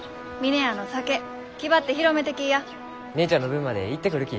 姉ちゃんの分まで行ってくるき。